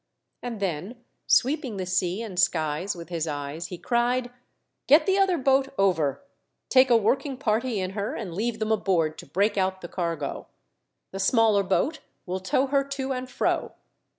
And then, sweeping the sea and skies with his eyes, he cried :" Get the other boat over : take a working party in her and leave them aboard to break out the cargo. The smaller boat will tow her to and fro.